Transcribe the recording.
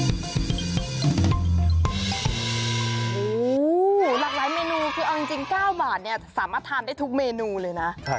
โอ้โหหลากหลายเมนูคือเอาจริง๙บาทเนี่ยสามารถทานได้ทุกเมนูเลยนะ